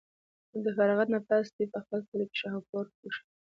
د فراغت نه پس دوي پۀ خپل کلي شاهپور کښې